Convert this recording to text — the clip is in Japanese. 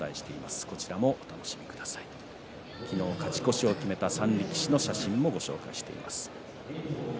昨日、勝ち越しを決めた３力士の写真もご紹介しています。